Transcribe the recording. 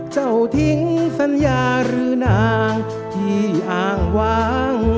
เจ้าทิ้งสัญญาหรือนางที่อ้างวาง